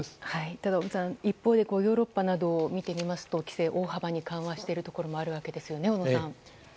ただ、尾身さん一方でヨーロッパなどを見てみますと規制は大幅に緩和しているところがあるわけですよね、小野さん。